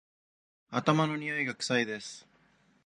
頭のにおいが臭いです